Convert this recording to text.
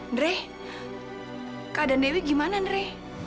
ndre keadaan dewi gimana ndre